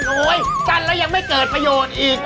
โอ๊ยกั้นแล้วยังไม่เกิดประโยชน์อีก